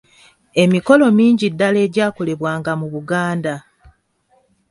Emikolo mingi ddala egyakolebwanga mu Buganda